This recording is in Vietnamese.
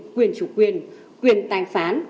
quyền chủ quyền quyền tài phán